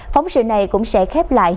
phóng sự này cũng sẽ khép lại